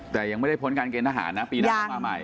แต่ยังไม่ได้พ้นการเกณฑหารนะปีหน้าเข้ามาใหม่